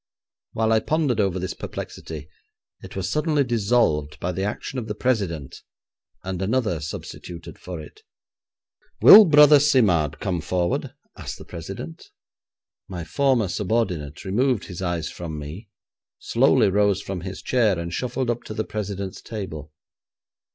While I pondered over this perplexity, it was suddenly dissolved by the action of the president, and another substituted for it. 'Will Brother Simard come forward?' asked the president. My former subordinate removed his eyes from me, slowly rose from his chair, and shuffled up to the president's table.